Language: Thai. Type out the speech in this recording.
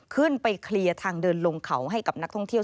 ขึ้นไปเคลียร์ทางเดินลงเขาให้กับนักท่องเที่ยว